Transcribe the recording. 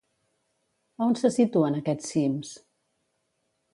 A on se situen aquests cims?